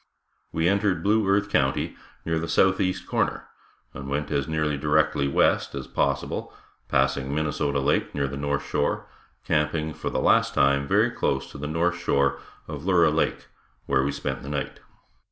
We entered Blue Earth county near the southeast corner, and went as nearly directly west as possible, passing Minnesota lake near the north shore, camping for the last time very close to the north shore of Lura lake, where we spent the night.